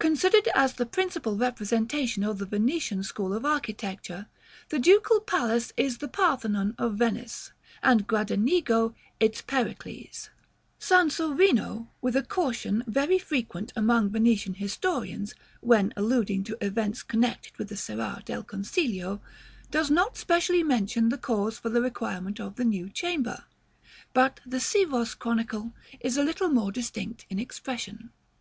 Considered as the principal representation of the Venetian school of architecture, the Ducal Palace is the Parthenon of Venice, and Gradenigo its Pericles. § XIII. Sansovino, with a caution very frequent among Venetian historians, when alluding to events connected with the Serrar del Consiglio, does not specially mention the cause for the requirement of the new chamber; but the Sivos Chronicle is a little more distinct in expression.